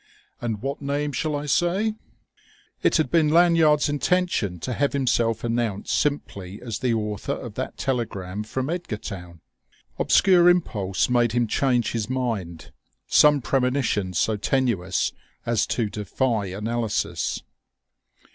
"And what name shall I say?" It had been Lanyard's intention to have himself announced simply as the author of that telegram from Edgartown. Obscure impulse made him change his mind, some premonition so tenuous as to defy analysis.